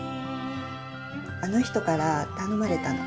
あの人から頼まれたの。